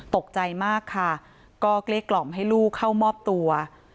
ตกใจมากค่ะก็เกลี้ยกล่อมให้ลูกเข้ามอบตัว